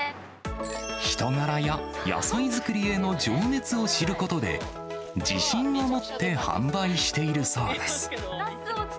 人柄や野菜作りへの情熱を知ることで、自信を持って販売しているそうです。